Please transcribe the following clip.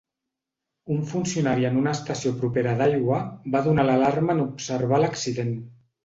Un funcionari en una estació propera d'aigua va donar l'alarma en observar l'accident.